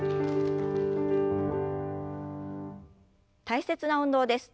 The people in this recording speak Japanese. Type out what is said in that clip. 大切な運動です。